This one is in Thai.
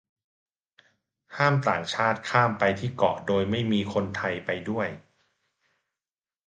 ห้ามต่างชาติข้ามไปที่เกาะโดยไม่มีคนไทยไปด้วย